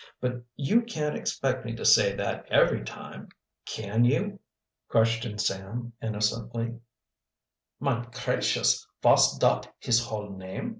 But you can't expect me to say that every time, can you?" questioned Sam innocently. "Mine cracious! vos dot his hull name?"